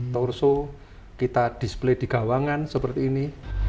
torso kita display di gawangan seperti ini